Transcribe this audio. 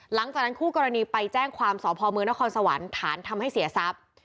หลังจากนั้นคู่กรณีไปแจ้งความสพมนครสวรรค์ฐานทำให้เสียทรัพย์